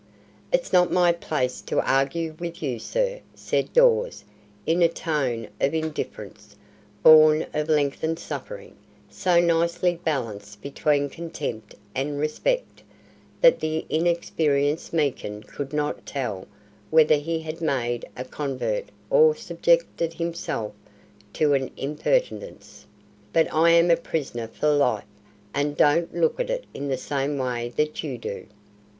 "It's not my place to argue with you, sir," said Dawes, in a tone of indifference, born of lengthened suffering, so nicely balanced between contempt and respect, that the inexperienced Meekin could not tell whether he had made a convert or subjected himself to an impertinence; "but I'm a prisoner for life, and don't look at it in the same way that you do."